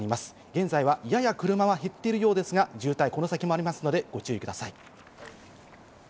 現在はやや車は減っているようですが、渋滞、この先もありますので、ご注意ください。